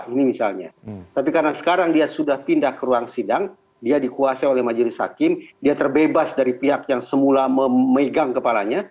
ini misalnya tapi karena sekarang dia sudah pindah ke ruang sidang dia dikuasai oleh majelis hakim dia terbebas dari pihak yang semula memegang kepalanya